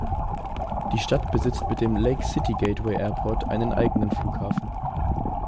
Die Stadt besitzt mit dem Lake City Gateway Airport einen eigenen Flughafen.